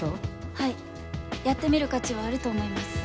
はいやってみる価値はあると思います。